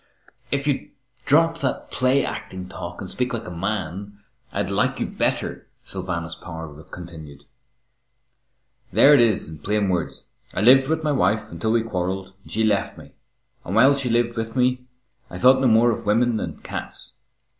"If you'd drop that play acting talk and speak like a man, I'd like you better," Sylvanus Power continued. "There it is in plain words. I lived with my wife until we quarrelled and she left me, and while she lived with me I thought no more of women than cats.